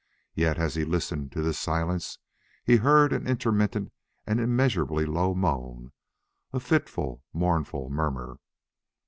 Yet, as he listened to this silence, he heard an intermittent and immeasurably low moan, a fitful, mournful murmur.